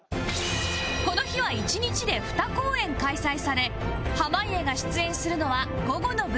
この日は１日で２公演開催され濱家が出演するのは午後の部